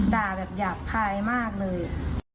ด่าแบบหยาบคายมากเลย